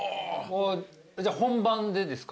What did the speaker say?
じゃあ本番でですか？